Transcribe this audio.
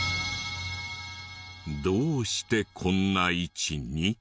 どうしてこんな位置に？